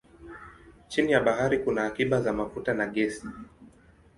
Chini ya bahari kuna akiba za mafuta na gesi.